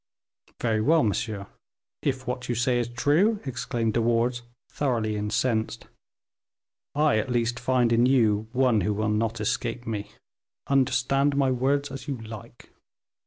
"Very well, monsieur, if what you say is true," exclaimed De Wardes, thoroughly incensed, "I at least find in you one who will not escape me. Understand my words as you like."